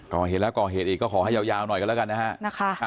ก่อเหตุแล้วก่อเหตุอีกก็ขอให้ยาวหน่อยกันแล้วกันนะฮะ